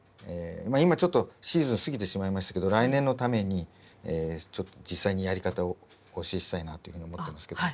まあ今ちょっとシーズン過ぎてしまいましたけど来年のためにちょっと実際にやり方をお教えしたいなというふうに思ってますけど。